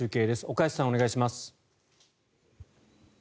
岡安さん、お願いします。